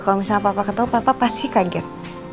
kalau misalnya papa ketemu papa pasti kaget